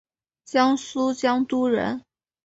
江苏江都人。